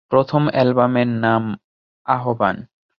প্রথম অ্যালবামের নাম আহবান।